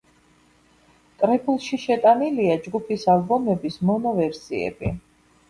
კრებულში შეტანილია ჯგუფის ალბომების მონო ვერსიები.